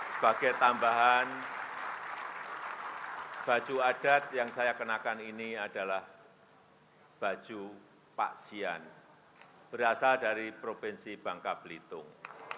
sebagai tambahan baju adat yang saya kenakan ini adalah baju paksian berasal dari provinsi bangka belitung